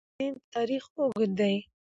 په افغانستان کې د هلمند سیند تاریخ اوږد دی.